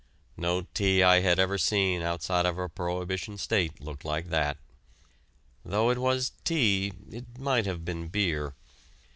No tea I had ever seen outside of a prohibition state looked like that. Though it was tea, it might have been beer.